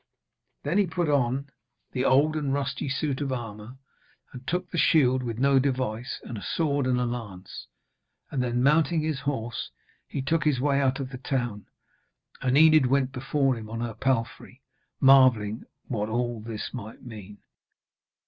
Then he put on the old and rusty suit of armour, and took the shield with no device, and a sword and a lance, and then mounting his horse he took his way out of the town. And Enid went before him on her palfrey, marvelling what all this might mean.